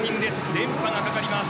連覇がかかります。